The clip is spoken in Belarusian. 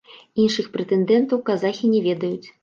Іншых прэтэндэнтаў казахі не ведаюць.